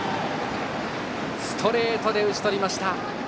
ストレートで打ち取りました。